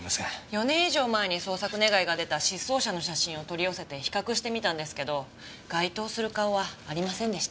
４年以上前に捜索願が出た失踪者の写真を取り寄せて比較してみたんですけど該当する顔はありませんでした。